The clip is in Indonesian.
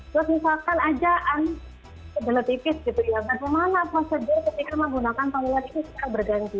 terus misalkan ajaan kebenar tipis diberi bagaimana prosedur ketika menggunakan penggunaan itu bisa berganti